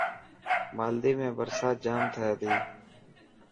مالديپ ۾ برسات جام ٿي تي.